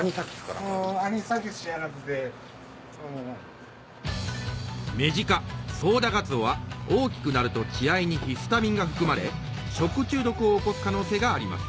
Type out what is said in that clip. アニサキスか何かですか？は大きくなると血合いにヒスタミンが含まれ食中毒を起こす可能性があります